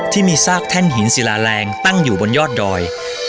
ที่มีซากแท่นหินศิลาแรงตั้งอยู่บนยอดดอย